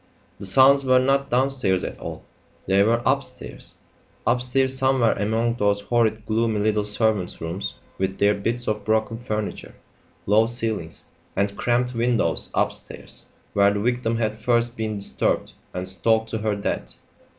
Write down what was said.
The sounds were not downstairs at all; they were upstairs upstairs, somewhere among those horrid gloomy little servants' rooms with their bits of broken furniture, low ceilings, and cramped windows upstairs where the victim had first been disturbed and stalked to her death.